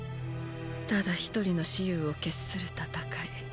ただ一人の“蚩尤”を決する戦い。